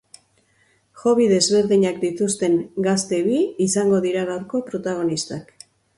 Hobby desberdinak dituzten gazte bi izango dira gaurko protagonistak.